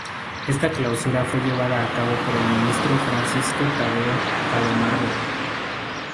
Esta clausura fue llevada a cabo por el ministro Francisco Tadeo Calomarde.